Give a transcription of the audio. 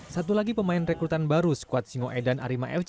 satu lagi pemain rekrutan baru squad singoedan arema fc